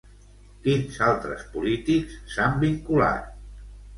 Quins altres polítics s'han vinculat?